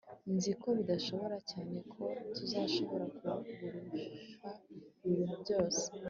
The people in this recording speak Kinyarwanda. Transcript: nzi ko bidashoboka cyane ko tuzashobora kugurisha ibi bintu byose